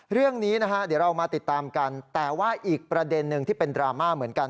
เรื่องนี้นะฮะเดี๋ยวเรามาติดตามกันแต่ว่าอีกประเด็นหนึ่งที่เป็นดราม่าเหมือนกัน